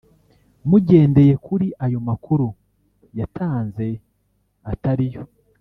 mugendeye kuri ayo makuru yatanze atari yo